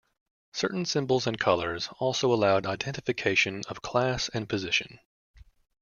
Certain symbols and colors also allowed identification of class and position.